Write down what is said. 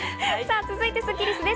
続いてスッキりすです。